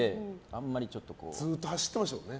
ずっと走ってましたもんね。